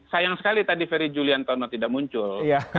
sayang sekali tadi ferry julian tono tidak muncul